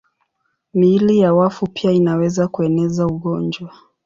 Miili ya wafu pia inaweza kueneza ugonjwa.